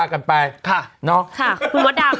ค่ะคุณมดับยังไงครับ